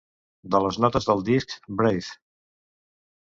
De les notes del disc "Breathe".